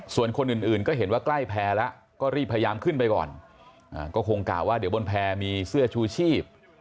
ส่วนคนอื่นก็เห็นว่าใกล้แพร่แล้วก็รีบพยายามขึ้นไปก่อนก็คงกล่าวว่าเดี๋ยวบนแพร่มีเสื้อชูชีพ